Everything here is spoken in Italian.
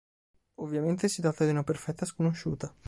Ovviamente si tratta di una perfetta sconosciuta.